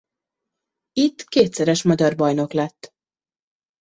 Itt kétszeres magyar bajnok lett.